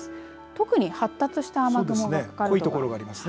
特に発達した雨雲がかかるところがあります。